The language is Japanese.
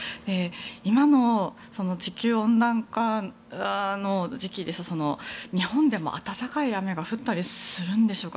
今の地球温暖化ですと日本でも暖かい雨が降ったりするんでしょうか。